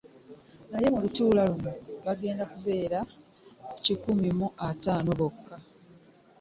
Naye mu lutuula luno bagenda kubeera kikumi mu ataano bokka.